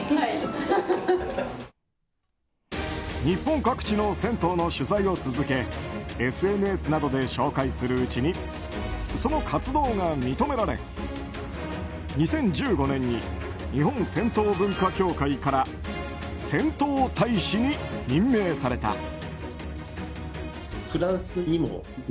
日本各地の銭湯の取材を続けＳＮＳなどで紹介するうちにその活動が認められ２０１５年に日本銭湯文化協会から銭湯大使に任命された。